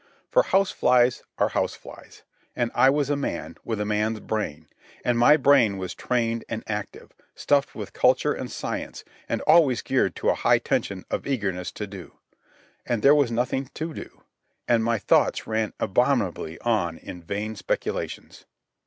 For house flies are house flies, and I was a man, with a man's brain; and my brain was trained and active, stuffed with culture and science, and always geared to a high tension of eagerness to do. And there was nothing to do, and my thoughts ran abominably on in vain speculations.